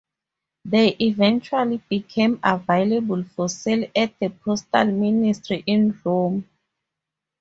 They eventually became available for sale at the postal ministry in Rome.